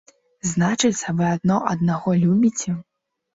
Значыцца, вы адно аднаго любіце?